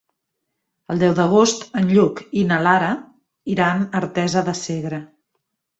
El deu d'agost en Lluc i na Lara iran a Artesa de Segre.